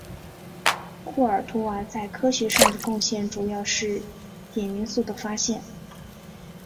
库尔图瓦在科学上的贡献主要是碘元素的发现。